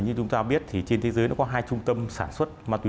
như chúng ta biết thì trên thế giới nó có hai trung tâm sản xuất ma túy